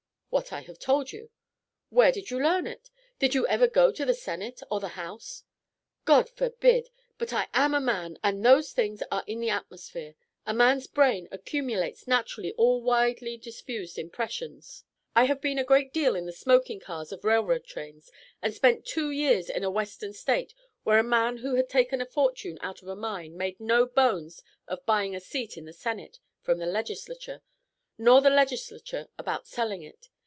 "What I have told you." "Where did you learn it? Do you ever go to the Senate or the House?" "God forbid! But I am a man, and those things are in the atmosphere; a man's brain accumulates naturally all widely diffused impressions. I've been a great deal in the smoking cars of railroad trains, and spent two years in a Western State where a man who had taken a fortune out of a mine made no bones of buying a seat in the Senate from the Legislature, nor the Legislature about selling it.